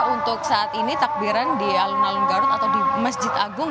untuk saat ini takbiran di alun alun garut atau di masjid agung